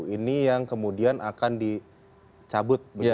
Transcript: ini yang kemudian akan dicabut